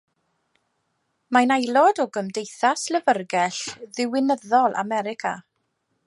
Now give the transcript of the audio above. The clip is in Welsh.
Mae'n aelod o Gymdeithas Lyfrgell Ddiwinyddol America.